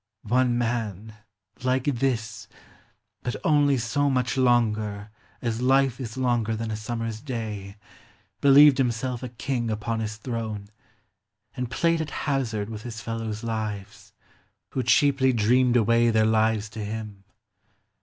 One man — like this — but only so much longer As life is longer than a summer's day, Believed himself a king upon his throne, And played at hazard with his fellows' lives, Who cheaply dreamed away their lives to him.